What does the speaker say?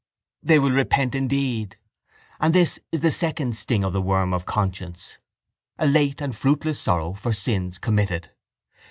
They will repent indeed: and this is the second sting of the worm of conscience, a late and fruitless sorrow for sins committed.